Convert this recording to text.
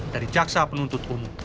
dari jaksa penuntut umum